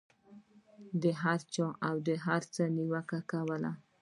د هر چا او هر څه نیوکه کول.